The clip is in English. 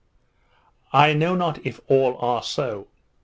I know not if all are so.